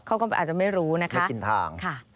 เค้าก็อาจจะไม่รู้นะคะ